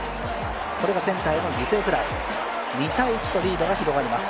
これがセンターへの犠牲フライ、２−１とリードが広がります。